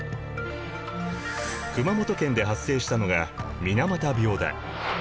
熊本県で発生したのが水俣病だ。